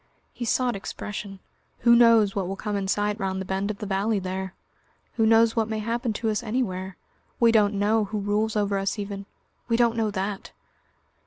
He sought expression. "Who knows what will come in sight round the bend of the valley there? Who knows what may happen to us anywhere? We don't know who rules over us even ... we don't know that!"